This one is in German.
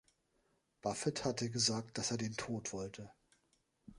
Buffet hatte gesagt, dass er den Tod wollte.